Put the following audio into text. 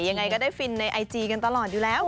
ยังไงก็ได้ฟินในไอจีกันตลอดอยู่แล้ว